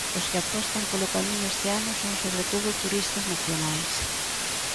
Os que apostan polo camiño este ano son sobre todo turistas nacionais.